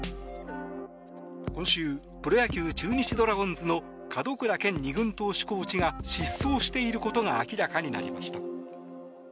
今週、プロ野球中日ドラゴンズの門倉建２軍投手コーチが失踪していることが明らかになりました。